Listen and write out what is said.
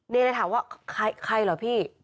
เลยถามว่าใครเหรอพี่